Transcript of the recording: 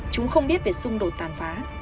chúng không biết về xung đột tàn phá